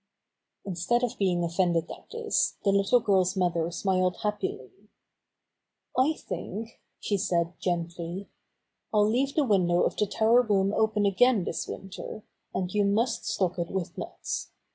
Instead of being offended at this, the little girl's mother smiled happily. "I think," she said gently, "I'll leave the window of the tower room open again this winter, and yoa must stock it with nuts.